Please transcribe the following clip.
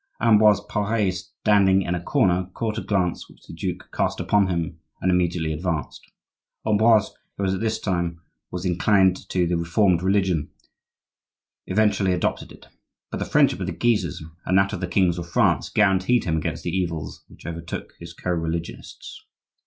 Ambroise Pare, standing in a corner, caught a glance which the duke cast upon him, and immediately advanced. Ambroise, who at this time was inclined to the reformed religion, eventually adopted it; but the friendship of the Guises and that of the kings of France guaranteed him against the evils which overtook his co religionists.